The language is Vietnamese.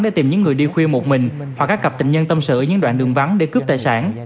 để tìm những người đi khuya một mình hoặc các cặp tình nhân tâm sự những đoạn đường vắng để cướp tài sản